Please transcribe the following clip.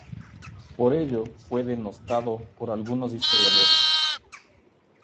Por ello fue denostado por algunos historiadores.